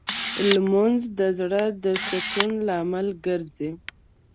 لمونځ د زړه د سکون لامل ګرځي